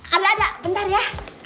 ada ada bentar ya